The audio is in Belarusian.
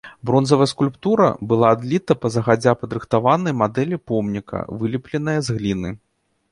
Бронзавая скульптура была адліта па загадзя падрыхтаванай мадэлі помніка, вылепленая з гліны.